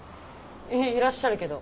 いらっしゃるけど。